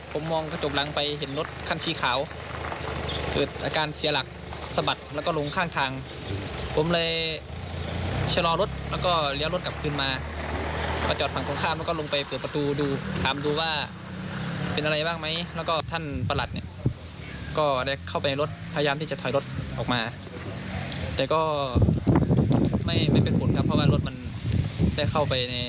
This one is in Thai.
แต่ก็ไม่เป็นผลครับเพราะว่ารถมันได้เข้าไปในร่องน้ำแล้ว